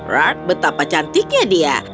rar betapa cantiknya dia